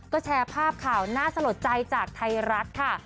ก็แชร์ภาพข่าวน่าสลดใจจากไทยรัฐค่ะ